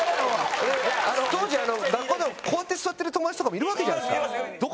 当時学校でもこうやって座ってる友達とかもいるわけじゃないですか。